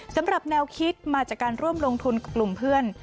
สำหรับแนวคิดมาจากการร่วมลงทุนกับกลุ่มเพื่อน